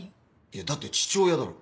いやだって父親だろ。